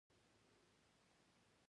مجاهد خپل نیت خالص ساتي.